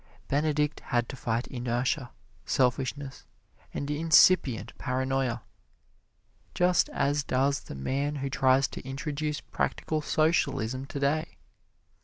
Benedict had to fight inertia, selfishness and incipient paranoia, just as does the man who tries to introduce practical socialism today.